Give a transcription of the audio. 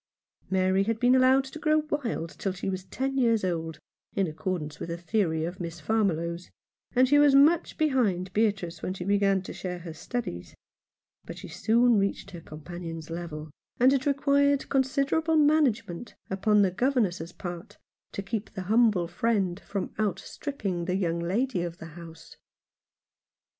Mary had been allowed to grow wild till she was ten years old, in accordance with a theory of Miss Farmiloe's, and she was much behind Beatrice when she began to share her studies ; but she soon reached her companion's level, and it required con siderable management upon the governess's part to keep the humble friend from outstripping the young lady of the house.